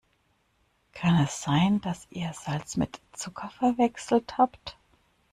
Kann es sein, dass ihr Salz mit Zucker verwechselt habt?